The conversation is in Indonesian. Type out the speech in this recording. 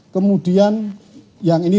kemudian yang ini